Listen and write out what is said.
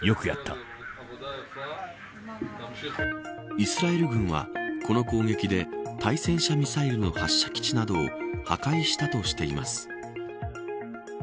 イスラエル軍は、この攻撃で対戦車ミサイルの発射基地などを破壊したとしています。